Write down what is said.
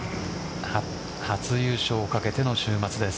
初優勝をかけての週末です。